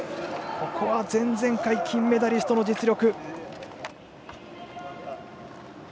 ここは前々回金メダリストの実力。